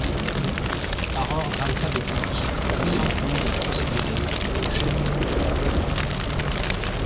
Par ordre alphabétique, Guyencourt est considéré comme le chef-lieu.